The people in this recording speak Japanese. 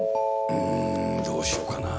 うーん、どうしようかな。